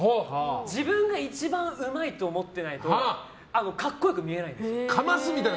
自分が一番うまいと思ってないと格好良く見えないんです。